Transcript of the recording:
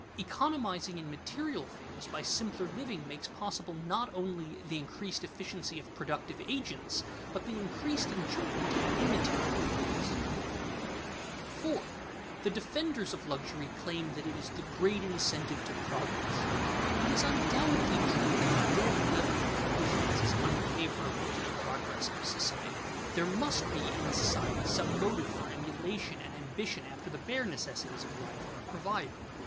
Economizing in material things by simpler living makes possible not only the increased efficiency of productive agents but the increased enjoyment of immaterial goods. [Sidenote: Luxury as an incentive to progress] 4. The defenders of luxury claim that it is the great incentive to progress. It is undoubtedly true that a dead level of conditions is unfavorable to the progress of society. There must be in society some motive for emulation and ambition after the bare necessities of life are provided.